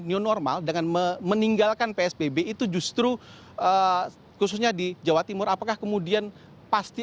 new normal dengan meninggalkan psbb itu justru khususnya di jawa timur apakah kemudian pasti